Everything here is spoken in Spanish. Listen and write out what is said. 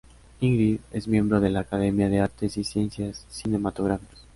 Ingrid es miembro de la Academia de Artes y Ciencias Cinematográficas.